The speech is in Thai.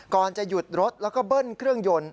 ก่อนจะหยุดรถแล้วก็เบิ้ลเครื่องยนต์